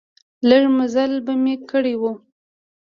لږ مزل به مې کړی و.